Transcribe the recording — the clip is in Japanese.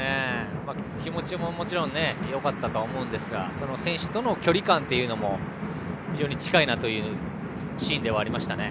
気持ちも、もちろんよかったとは思うんですが選手との距離感というのも非常に近いなというシーンでしたね。